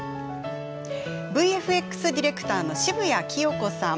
ＶＦＸディレクターの渋谷紀世子さん。